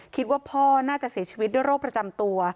คิดว่าพ่อน่าจะเสียชีวิตด้วยโรคประจำตัว